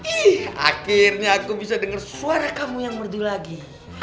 wih akhirnya aku bisa dengar suara kamu yang merdu lagi